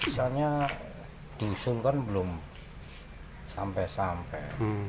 biasanya diusul kan belum sampai sampai